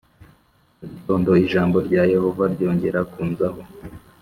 Mu gitondo ijambo rya Yehova ryongera kunzaho